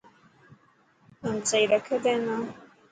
رنگ سهي رکيو تو نه.